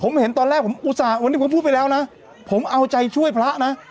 ผมเห็นตอนแรกผมอุตส่าห์วันนี้ผมพูดไปแล้วนะผมเอาใจช่วยพระนะ